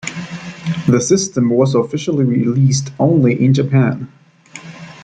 The system was officially released only in Japan.